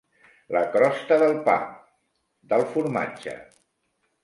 La crosta del pa, del formatge.